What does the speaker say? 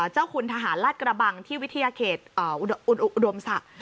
เจ้าคุณทหารลาดกระบังที่วิทยาเขตอุดมศักดิ์